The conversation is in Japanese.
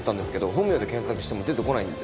本名で検索しても出てこないんですよ。